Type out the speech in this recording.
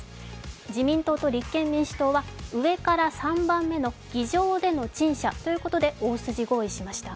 自民党と立憲民主党は上から３番目の議場での陳謝ということで大筋合意しました。